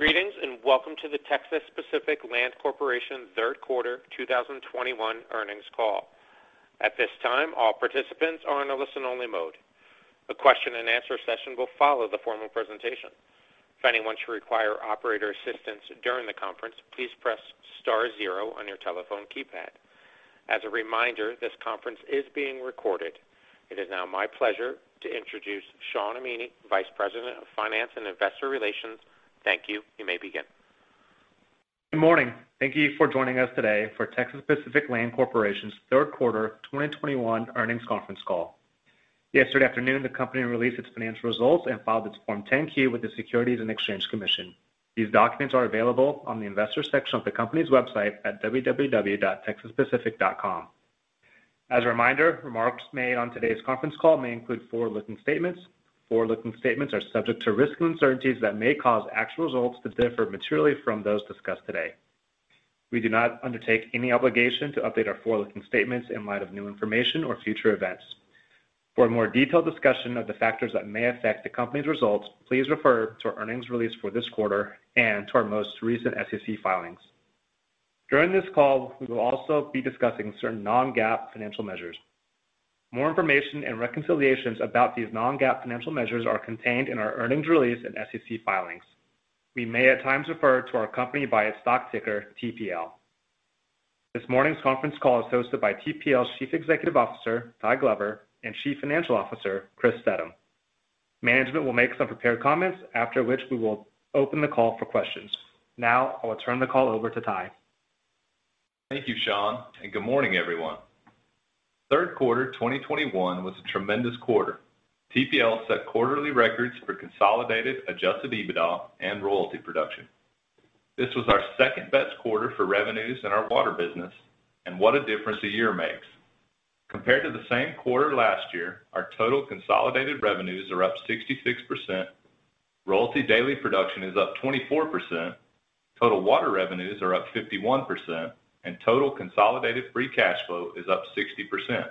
Greetings, and welcome to the Texas Pacific Land Corporation third quarter 2021 earnings call. At this time, all participants are in a listen-only mode. A question and answer session will follow the formal presentation. If anyone should require operator assistance during the conference, please press star zero on your telephone keypad. As a reminder, this conference is being recorded. It is now my pleasure to introduce Shawn Amini, Vice President of Finance and Investor Relations. Thank you. You may begin. Good morning. Thank you for joining us today for Texas Pacific Land Corporation's third quarter 2021 earnings conference call. Yesterday afternoon, the company released its financial results and filed its Form 10-Q with the Securities and Exchange Commission. These documents are available on the investors section of the company's website at www.texaspacific.com. As a reminder, remarks made on today's conference call may include forward-looking statements. Forward-looking statements are subject to risks and uncertainties that may cause actual results to differ materially from those discussed today. We do not undertake any obligation to update our forward-looking statements in light of new information or future events. For a more detailed discussion of the factors that may affect the company's results, please refer to our earnings release for this quarter and to our most recent SEC filings. During this call, we will also be discussing certain non-GAAP financial measures. More information and reconciliations about these non-GAAP financial measures are contained in our earnings release and SEC filings. We may at times refer to our company by its stock ticker, TPL. This morning's conference call is hosted by TPL's Chief Executive Officer, Tyler Glover, and Chief Financial Officer, Chris Steddum. Management will make some prepared comments, after which we will open the call for questions. Now, I will turn the call over to Ty. Thank you, Sean, and good morning, everyone. Third quarter 2021 was a tremendous quarter. TPL set quarterly records for consolidated adjusted EBITDA and royalty production. This was our second-best quarter for revenues in our water business, and what a difference a year makes. Compared to the same quarter last year, our total consolidated revenues are up 66%, royalty daily production is up 24%, total water revenues are up 51%, and total consolidated free cash flow is up 60%.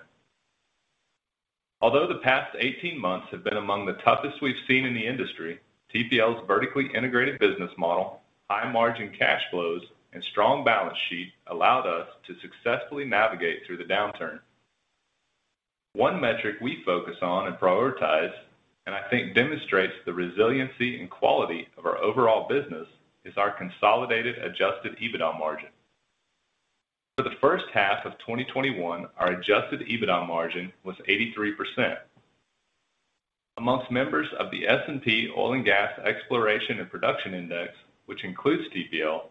Although the past 18 months have been among the toughest we've seen in the industry, TPL's vertically integrated business model, high margin cash flows, and strong balance sheet allowed us to successfully navigate through the downturn. One metric we focus on and prioritize, and I think demonstrates the resiliency and quality of our overall business, is our consolidated adjusted EBITDA margin. For the first half of 2021, our adjusted EBITDA margin was 83%. Amongst members of the S&P Oil and Gas Exploration and Production Index, which includes TPL,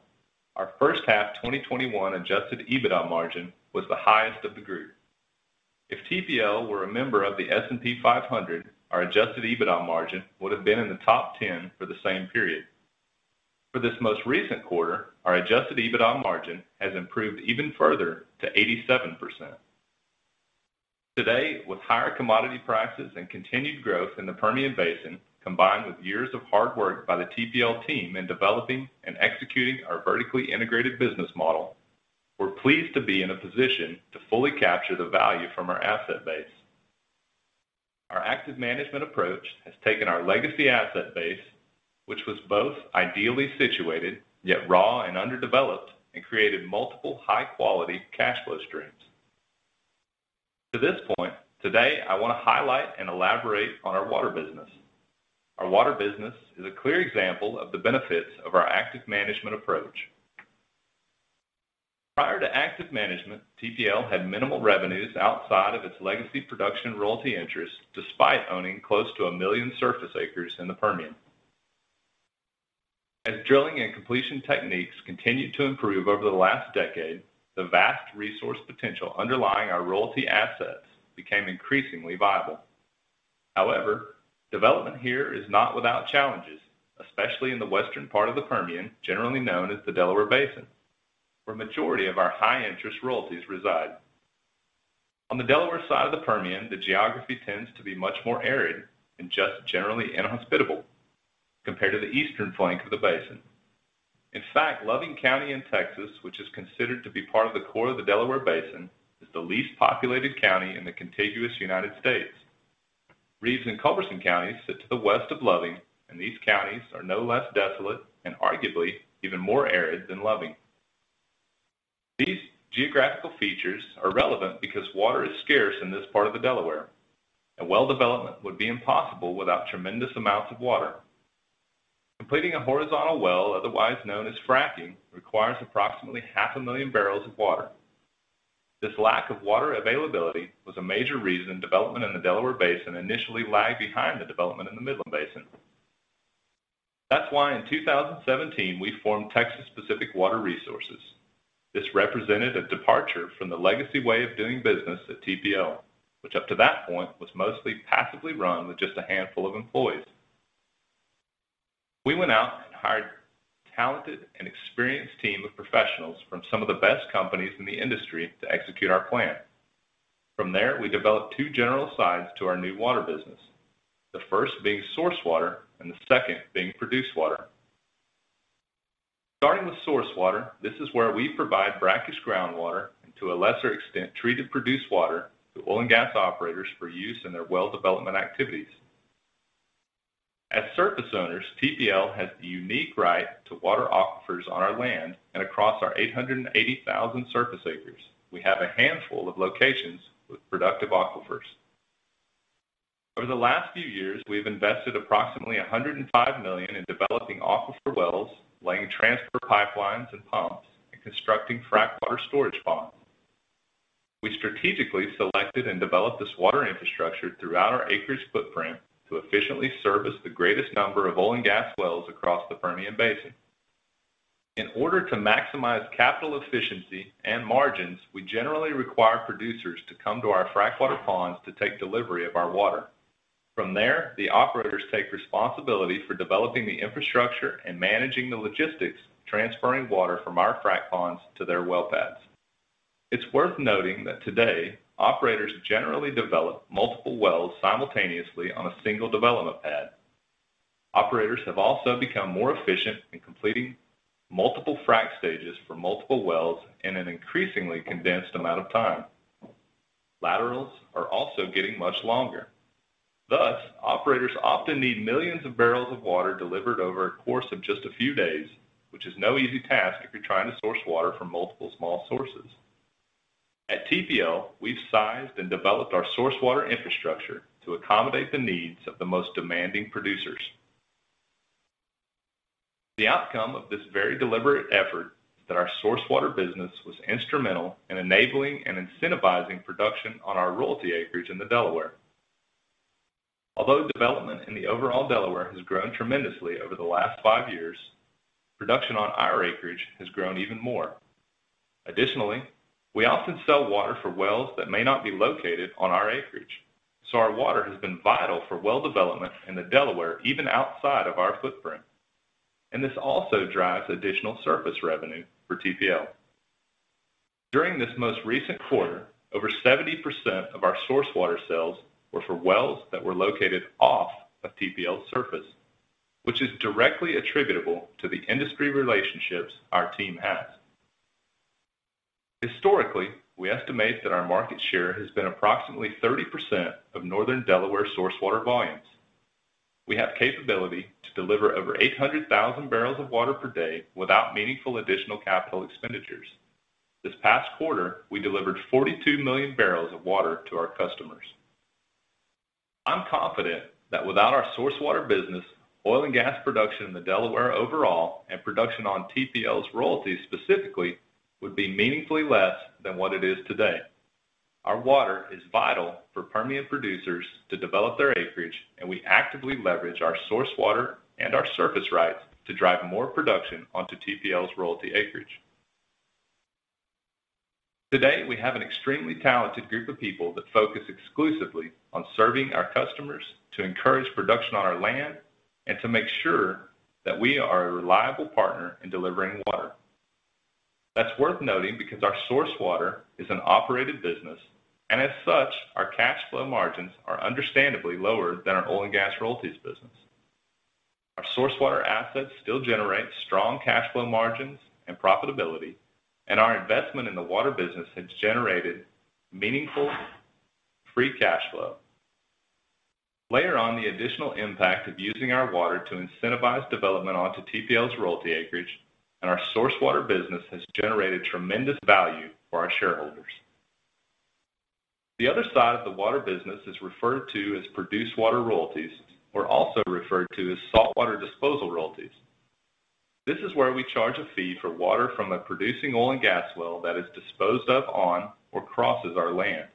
our first half 2021 adjusted EBITDA margin was the highest of the group. If TPL were a member of the S&P 500, our adjusted EBITDA margin would have been in the top 10 for the same period. For this most recent quarter, our adjusted EBITDA margin has improved even further to 87%. Today, with higher commodity prices and continued growth in the Permian Basin, combined with years of hard work by the TPL team in developing and executing our vertically integrated business model, we're pleased to be in a position to fully capture the value from our asset base. Our active management approach has taken our legacy asset base, which was both ideally situated yet raw and underdeveloped, and created multiple high-quality cash flow streams. To this point, today I want to highlight and elaborate on our water business. Our water business is a clear example of the benefits of our active management approach. Prior to active management, TPL had minimal revenues outside of its legacy production royalty interest, despite owning close to a million surface acres in the Permian. As drilling and completion techniques continued to improve over the last decade, the vast resource potential underlying our royalty assets became increasingly viable. However, development here is not without challenges, especially in the western part of the Permian, generally known as the Delaware Basin, where majority of our high-interest royalties reside. On the Delaware side of the Permian, the geography tends to be much more arid and just generally inhospitable compared to the eastern flank of the basin. In fact, Loving County in Texas, which is considered to be part of the core of the Delaware Basin, is the least populated county in the contiguous United States. Reeves and Culberson counties sit to the west of Loving, and these counties are no less desolate and arguably even more arid than Loving. These geographical features are relevant because water is scarce in this part of the Delaware, and well development would be impossible without tremendous amounts of water. Completing a horizontal well, otherwise known as fracking, requires approximately half a million barrels of water. This lack of water availability was a major reason development in the Delaware Basin initially lagged behind the development in the Midland Basin. That's why in 2017, we formed Texas Pacific Water Resources. This represented a departure from the legacy way of doing business at TPL, which up to that point was mostly passively run with just a handful of employees. We went out and hired a talented and experienced team of professionals from some of the best companies in the industry to execute our plan. From there, we developed two general sides to our new water business. The first being source water and the second being produced water. Starting with source water, this is where we provide brackish groundwater and to a lesser extent, treated produced water to oil and gas operators for use in their well development activities. As surface owners, TPL has the unique right to water aquifers on our land and across our 800,000 surface acres. We have a handful of locations with productive aquifers. Over the last few years, we've invested approximately $105 million in developing aquifer wells, laying transfer pipelines and pumps, and constructing frack water storage ponds. We strategically selected and developed this water infrastructure throughout our acreage footprint to efficiently service the greatest number of oil and gas wells across the Permian Basin. In order to maximize capital efficiency and margins, we generally require producers to come to our frack water ponds to take delivery of our water. From there, the operators take responsibility for developing the infrastructure and managing the logistics, transferring water from our frack ponds to their well pads. It's worth noting that today, operators generally develop multiple wells simultaneously on a single development pad. Operators have also become more efficient in completing multiple frack stages for multiple wells in an increasingly condensed amount of time. Laterals are also getting much longer. Thus, operators often need millions of barrels of water delivered over a course of just a few days, which is no easy task if you're trying to source water from multiple small sources. At TPL, we've sized and developed our source water infrastructure to accommodate the needs of the most demanding producers. The outcome of this very deliberate effort is that our source water business was instrumental in enabling and incentivizing production on our royalty acreage in the Delaware. Although development in the overall Delaware has grown tremendously over the last five years, production on our acreage has grown even more. Additionally, we often sell water for wells that may not be located on our acreage. Our water has been vital for well development in the Delaware, even outside of our footprint. This also drives additional surface revenue for TPL. During this most recent quarter, over 70% of our source water sales were for wells that were located off of TPL's surface, which is directly attributable to the industry relationships our team has. Historically, we estimate that our market share has been approximately 30% of Northern Delaware source water volumes. We have capability to deliver over 800,000 barrels of water per day without meaningful additional capital expenditures. This past quarter, we delivered 42 million barrels of water to our customers. I'm confident that without our source water business, oil and gas production in the Delaware overall and production on TPL's royalties specifically would be meaningfully less than what it is today. Our water is vital for Permian producers to develop their acreage, and we actively leverage our source water and our surface rights to drive more production onto TPL's royalty acreage. Today, we have an extremely talented group of people that focus exclusively on serving our customers to encourage production on our land and to make sure that we are a reliable partner in delivering water. That's worth noting because our source water is an operated business, and as such, our cash flow margins are understandably lower than our oil and gas royalties business. Our source water assets still generate strong cash flow margins and profitability, and our investment in the water business has generated meaningful free cash flow. Layer on the additional impact of using our water to incentivize development onto TPL's royalty acreage, and our source water business has generated tremendous value for our shareholders. The other side of the water business is referred to as produced water royalties or also referred to as saltwater disposal royalties. This is where we charge a fee for water from a producing oil and gas well that is disposed of on or crosses our land.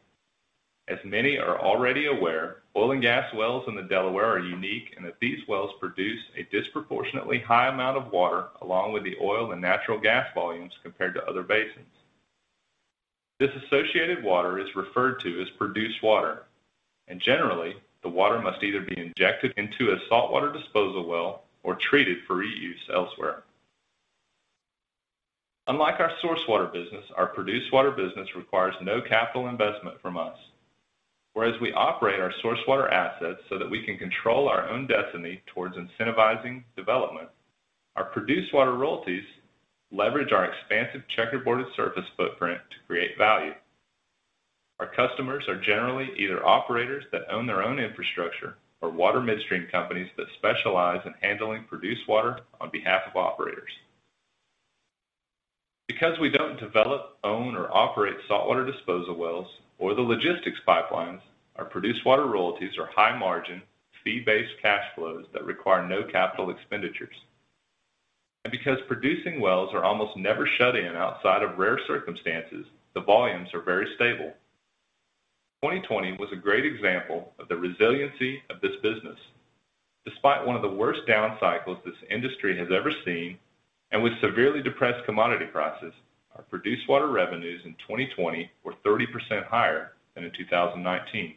As many are already aware, oil and gas wells in the Delaware are unique in that these wells produce a disproportionately high amount of water along with the oil and natural gas volumes compared to other basins. This associated water is referred to as produced water, and generally, the water must either be injected into a saltwater disposal well or treated for reuse elsewhere. Unlike our sourced water business, our produced water business requires no capital investment from us. Whereas we operate our sourced water assets so that we can control our own destiny towards incentivizing development, our produced water royalties leverage our expansive checkerboarded surface footprint to create value. Our customers are generally either operators that own their own infrastructure or water midstream companies that specialize in handling produced water on behalf of operators. Because we don't develop, own, or operate saltwater disposal wells or the logistics pipelines, our produced water royalties are high margin, fee-based cash flows that require no capital expenditures. Because producing wells are almost never shut in outside of rare circumstances, the volumes are very stable. 2020 was a great example of the resiliency of this business. Despite one of the worst down cycles this industry has ever seen, and with severely depressed commodity prices, our produced water revenues in 2020 were 30% higher than in 2019.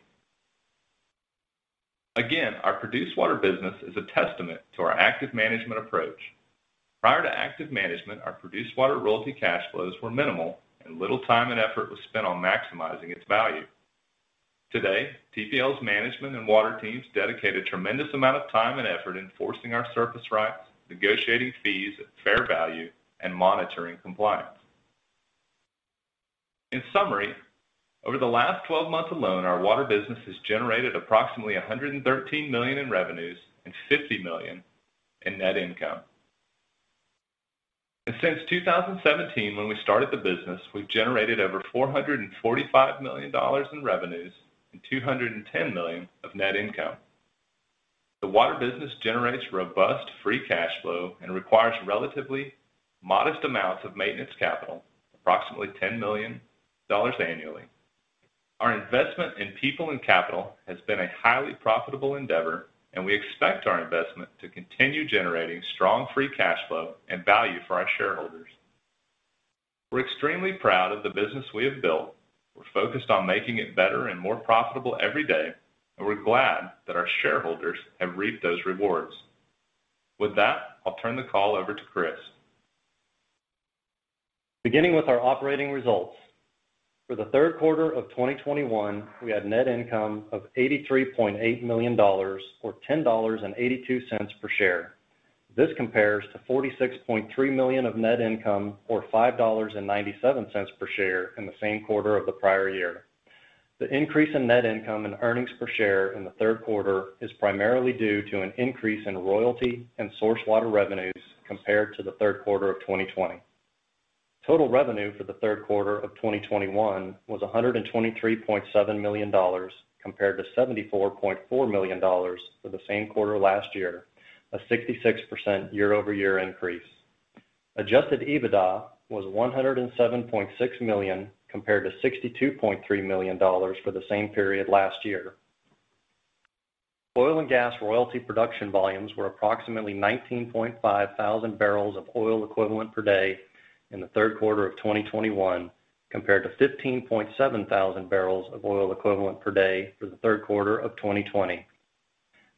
Again, our produced water business is a testament to our active management approach. Prior to active management, our produced water royalty cash flows were minimal, and little time and effort was spent on maximizing its value. Today, TPL's management and water teams dedicate a tremendous amount of time and effort enforcing our surface rights, negotiating fees at fair value, and monitoring compliance. In summary, over the last 12 months alone, our water business has generated approximately $113 million in revenues and $50 million in net income. Since 2017, when we started the business, we've generated over $445 million in revenues and $210 million of net income. The water business generates robust free cash flow and requires relatively modest amounts of maintenance capital, approximately $10 million annually. Our investment in people and capital has been a highly profitable endeavor, and we expect our investment to continue generating strong free cash flow and value for our shareholders. We're extremely proud of the business we have built. We're focused on making it better and more profitable every day, and we're glad that our shareholders have reaped those rewards. With that, I'll turn the call over to Chris. Beginning with our operating results. For the third quarter of 2021, we had net income of $83.8 million or $10.82 per share. This compares to $46.3 million of net income or $5.97 per share in the same quarter of the prior year. The increase in net income and earnings per share in the third quarter is primarily due to an increase in royalties and sourced water revenues compared to the third quarter of 2020. Total revenue for the third quarter of 2021 was $123.7 million compared to $74.4 million for the same quarter last year, a 66% year-over-year increase. Adjusted EBITDA was $107.6 million compared to $62.3 million for the same period last year. Oil and gas royalty production volumes were approximately 19.5 thousand barrels of oil equivalent per day in the third quarter of 2021 compared to 15.7 thousand barrels of oil equivalent per day for the third quarter of 2020.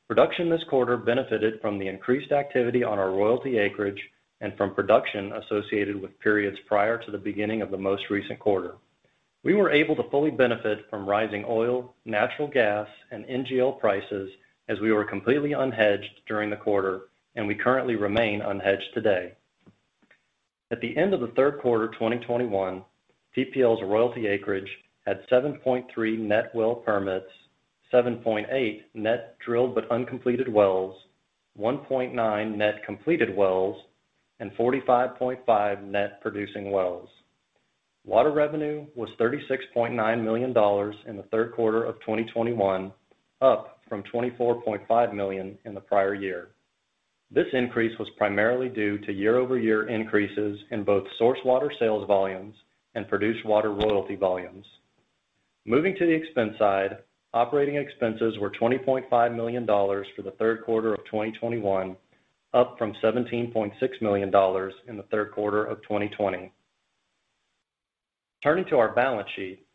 Production this quarter benefited from the increased activity on our royalty acreage and from production associated with periods prior to the beginning of the most recent quarter. We were able to fully benefit from rising oil, natural gas, and NGL prices as we were completely unhedged during the quarter, and we currently remain unhedged today. At the end of the third quarter of 2021, TPL's royalty acreage had 7.3 net well permits, 7.8 net drilled but uncompleted wells, 1.9 net completed wells, and 45.5 net producing wells. Water revenue was $36.9 million in the third quarter of 2021, up from $24.5 million in the prior year. This increase was primarily due to year-over-year increases in both sourced water sales volumes and produced water royalty volumes. Moving to the expense side, operating expenses were $20.5 million for the third quarter of 2021, up from $17.6 million in the third quarter of 2020. Turning to our balance sheet.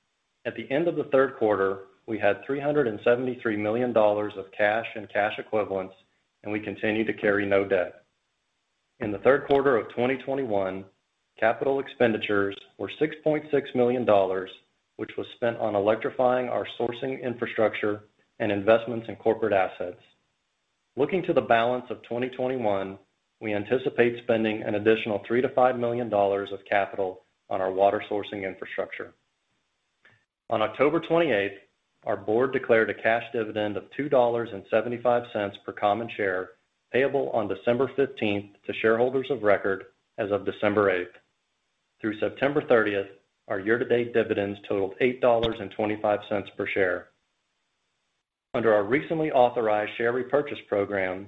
At the end of the third quarter, we had $373 million of cash and cash equivalents, and we continue to carry no debt. In the third quarter of 2021, capital expenditures were $6.6 million, which was spent on electrifying our sourcing infrastructure and investments in corporate assets. Looking to the balance of 2021, we anticipate spending an additional $3 million-$5 million of capital on our water sourcing infrastructure. On October 28, our board declared a cash dividend of $2.75 per common share, payable on December 15 to shareholders of record as of December 8. Through September 30, our year-to-date dividends totaled $8.25 per share. Under our recently authorized share repurchase program,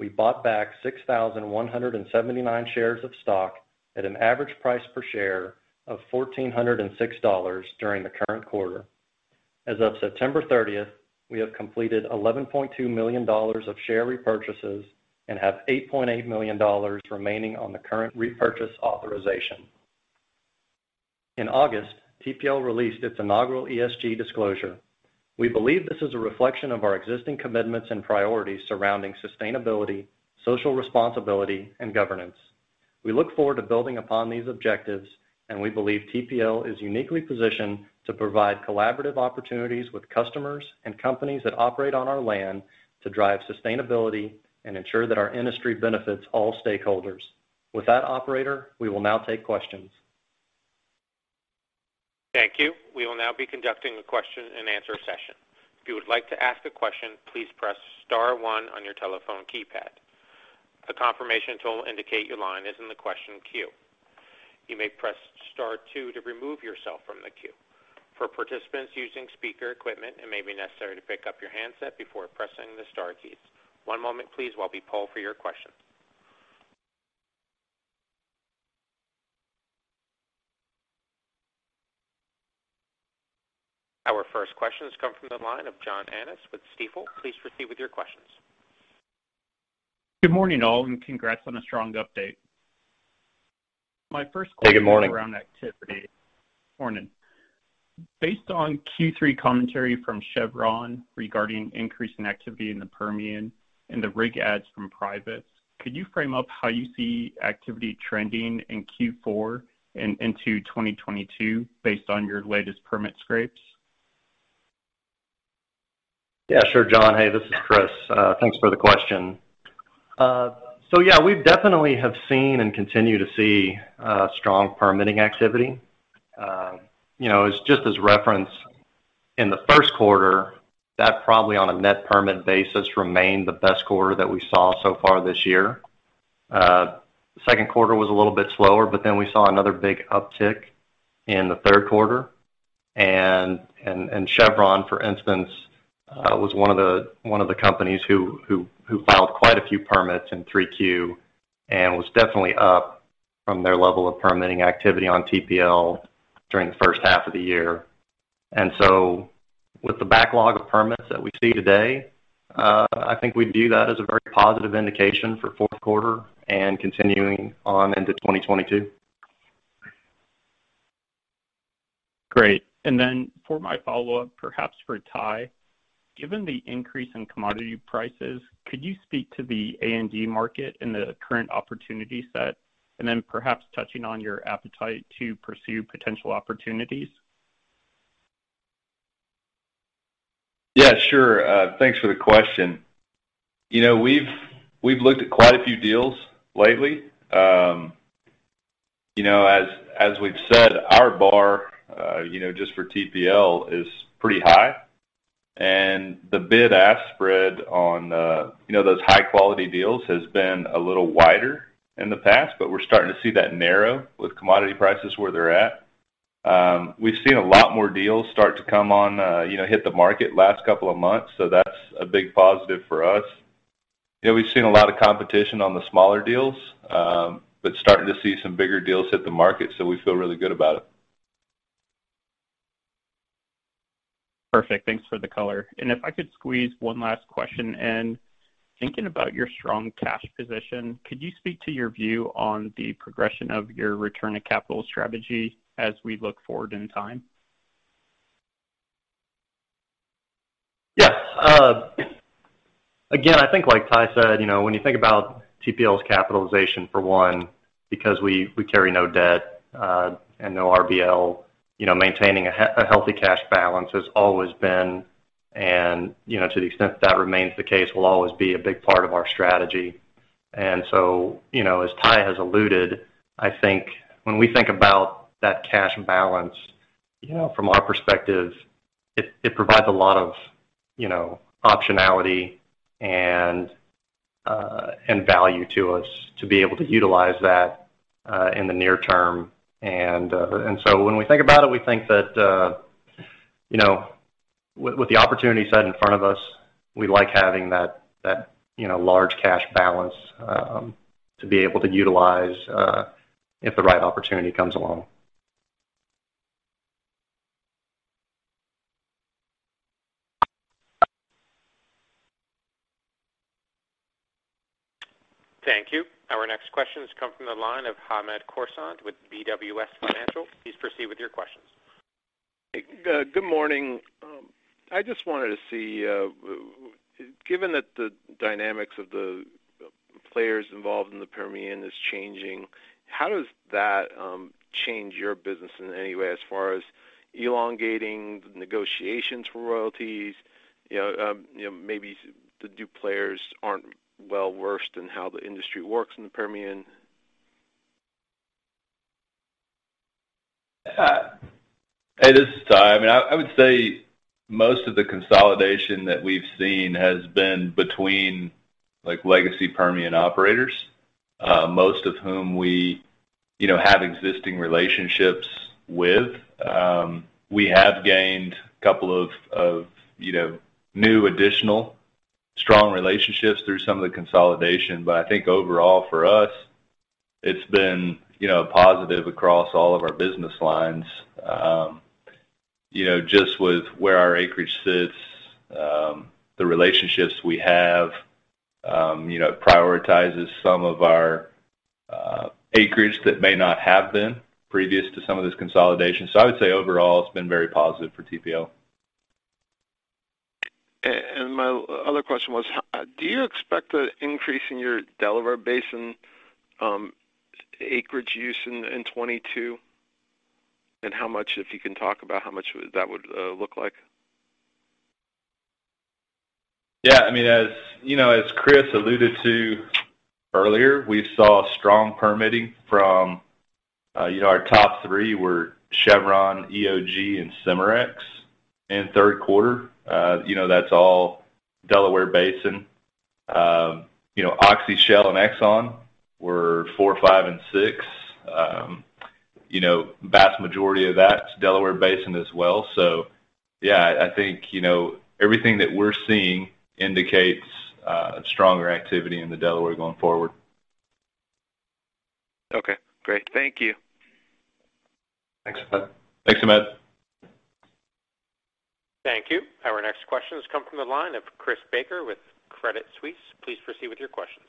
we bought back 6,179 shares of stock at an average price per share of $1,406 during the current quarter. As of September 30, we have completed $11.2 million of share repurchases and have $8.8 million remaining on the current repurchase authorization. In August, TPL released its inaugural ESG disclosure. We believe this is a reflection of our existing commitments and priorities surrounding sustainability, social responsibility, and governance. We look forward to building upon these objectives, and we believe TPL is uniquely positioned to provide collaborative opportunities with customers and companies that operate on our land to drive sustainability and ensure that our industry benefits all stakeholders. With that, operator, we will now take questions. Thank you. We will now be conducting a question and answer session. If you would like to ask a question, please press star one on your telephone keypad. A confirmation tone will indicate your line is in the question queue. You may press star two to remove yourself from the queue. For participants using speaker equipment, it may be necessary to pick up your handset before pressing the star keys. One moment please, while we poll for your questions. Our first question has come from the line of John Annis with Stifel. Please proceed with your questions. Good morning, all, and congrats on a strong update. My first question. Good morning. Around activity. Morning. Based on Q3 commentary from Chevron regarding increase in activity in the Permian and the rig adds from privates, could you frame up how you see activity trending in Q4 and into 2022 based on your latest permit scrapes? Yeah, sure, John. Hey, this is Chris. Thanks for the question. So yeah, we definitely have seen and continue to see strong permitting activity. You know, as just a reference, in the first quarter, that probably on a net permit basis remained the best quarter that we saw so far this year. Second quarter was a little bit slower, but then we saw another big uptick in the third quarter. Chevron, for instance, was one of the companies who filed quite a few permits in Q3 and was definitely up from their level of permitting activity on TPL during the first half of the year. With the backlog of permits that we see today, I think we view that as a very positive indication for fourth quarter and continuing on into 2022. Great. For my follow-up, perhaps for Ty. Given the increase in commodity prices, could you speak to the A&D market and the current opportunity set, and then perhaps touching on your appetite to pursue potential opportunities? Yeah, sure. Thanks for the question. You know, we've looked at quite a few deals lately. You know, as we've said, our bar, you know, just for TPL is pretty high. The bid-ask spread on, you know, those high-quality deals has been a little wider in the past, but we're starting to see that narrow with commodity prices where they're at. We've seen a lot more deals start to come on, you know, hit the market last couple of months, so that's a big positive for us. You know, we've seen a lot of competition on the smaller deals, but starting to see some bigger deals hit the market, so we feel really good about it. Perfect. Thanks for the color. If I could squeeze one last question in. Thinking about your strong cash position, could you speak to your view on the progression of your return on capital strategy as we look forward in time? Yes. Again, I think like Ty said, you know, when you think about TPL's capitalization for one, because we carry no debt and no RBL, you know, maintaining a healthy cash balance has always been and, you know, to the extent that remains the case, will always be a big part of our strategy. You know, as Ty has alluded, I think when we think about that cash balance, you know, from our perspective, it provides a lot of, you know, optionality and value to us to be able to utilize that in the near term. When we think about it, we think that, you know, with the opportunity set in front of us, we like having that, you know, large cash balance to be able to utilize if the right opportunity comes along. Thank you. Our next question has come from the line of Hamed Khorsand with BWS Financial. Please proceed with your questions. Good morning. I just wanted to see, given that the dynamics of the players involved in the Permian is changing, how does that change your business in any way as far as elongating the negotiations for royalties? You know, maybe the new players aren't well-versed in how the industry works in the Permian. Hey, this is Ty. I mean, I would say most of the consolidation that we've seen has been between like legacy Permian operators, most of whom we, you know, have existing relationships with. We have gained a couple of, you know, new additional strong relationships through some of the consolidation. I think overall for us, it's been, you know, a positive across all of our business lines. You know, just with where our acreage sits, the relationships we have, you know, prioritizes some of our acreage that may not have been previous to some of this consolidation. I would say overall, it's been very positive for TPL. My other question was, do you expect an increase in your Delaware Basin acreage use in 2022? How much, if you can talk about how much that would look like? Yeah. I mean, as you know, as Chris alluded to earlier, we saw strong permitting from you know, our top three were Chevron, EOG, and Cimarex in third quarter. You know, that's all Delaware Basin. You know, Oxy, Shell, and Exxon were four, five, and six. You know, vast majority of that's Delaware Basin as well. Yeah, I think you know, everything that we're seeing indicates a stronger activity in the Delaware going forward. Okay, great. Thank you. Thanks, Hamed. Thanks, Hamed. Thank you. Our next question has come from the line of Chris Baker with Credit Suisse. Please proceed with your questions.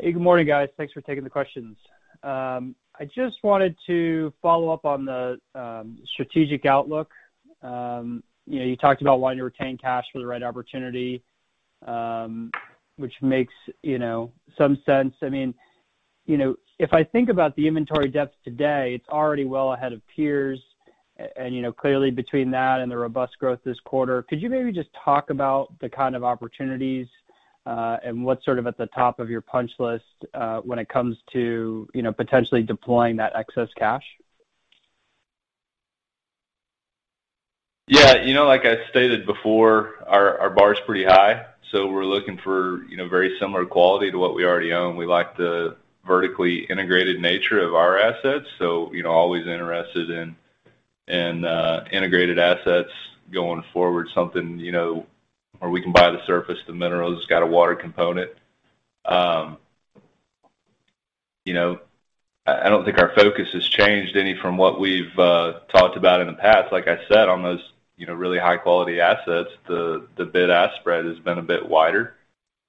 Hey, good morning, guys. Thanks for taking the questions. I just wanted to follow up on the strategic outlook. You know, you talked about wanting to retain cash for the right opportunity, which makes, you know, some sense. I mean, you know, if I think about the inventory depth today, it's already well ahead of peers. And, you know, clearly between that and the robust growth this quarter, could you maybe just talk about the kind of opportunities, and what's sort of at the top of your punch list, when it comes to, you know, potentially deploying that excess cash? Yeah. You know, like I stated before, our bar is pretty high, so we're looking for, you know, very similar quality to what we already own. We like the vertically integrated nature of our assets, so, you know, always interested in integrated assets going forward. Something, you know, where we can buy the surface, the minerals, it's got a water component. You know, I don't think our focus has changed any from what we've talked about in the past. Like I said, on those, you know, really high quality assets, the bid-ask spread has been a bit wider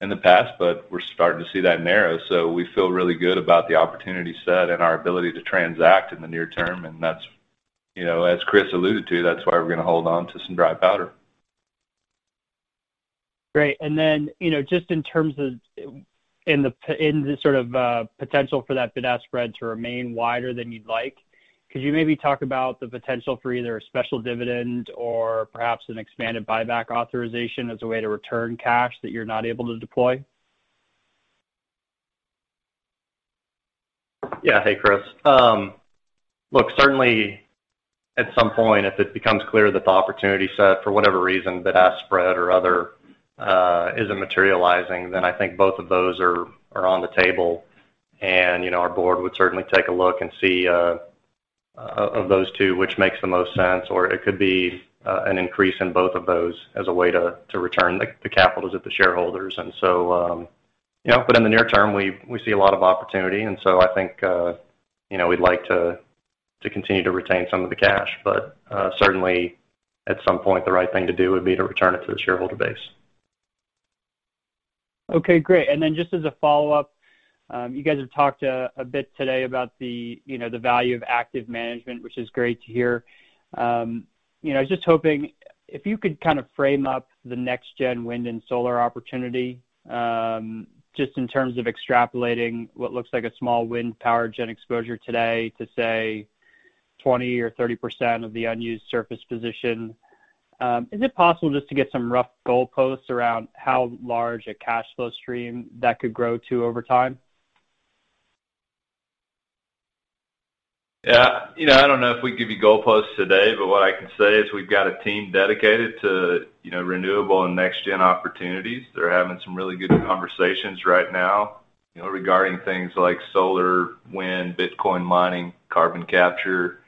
in the past, but we're starting to see that narrow. So we feel really good about the opportunity set and our ability to transact in the near term, and that's, you know, as Chris alluded to, that's why we're gonna hold on to some dry powder. Great. You know, just in terms of, in the sort of, potential for that bid-ask spread to remain wider than you'd like, could you maybe talk about the potential for either a special dividend or perhaps an expanded buyback authorization as a way to return cash that you're not able to deploy? Yeah. Hey, Chris. Look, certainly at some point, if it becomes clear that the opportunity set for whatever reason, bid-ask spread or other, isn't materializing, then I think both of those are on the table. You know, our board would certainly take a look and see of those two, which makes the most sense, or it could be an increase in both of those as a way to return the capital to the shareholders. You know, but in the near term, we see a lot of opportunity. I think, you know, we'd like to continue to retain some of the cash. Certainly, at some point the right thing to do would be to return it to the shareholder base. Okay, great. Just as a follow-up, you guys have talked a bit today about the you know, the value of active management, which is great to hear. You know, I was just hoping if you could kind of frame up the next gen wind and solar opportunity, just in terms of extrapolating what looks like a small wind power gen exposure today to say 20 or 30% of the unused surface position. Is it possible just to get some rough goalposts around how large a cash flow stream that could grow to over time? Yeah. You know, I don't know if we can give you goalposts today, but what I can say is we've got a team dedicated to, you know, renewable and next gen opportunities. They're having some really good conversations right now, you know, regarding things like solar, wind, Bitcoin mining, carbon capture,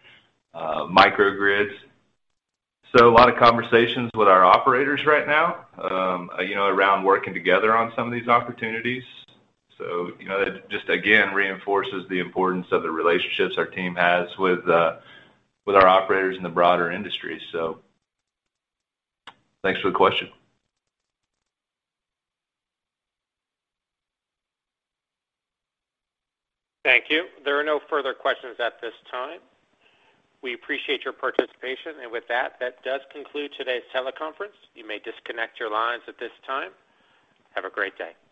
microgrids. So a lot of conversations with our operators right now, you know, around working together on some of these opportunities. So, you know, that just again reinforces the importance of the relationships our team has with our operators in the broader industry. So thanks for the question. Thank you. There are no further questions at this time. We appreciate your participation. With that does conclude today's teleconference. You may disconnect your lines at this time. Have a great day.